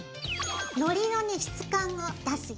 のりのね質感を出すよ。